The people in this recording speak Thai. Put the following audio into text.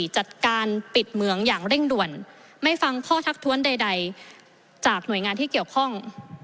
จัดการปิดเมืองอย่างเร่งด่วนไม่ฟังข้อทักท้วนใดจากหน่วยงานที่เกี่ยวข้อง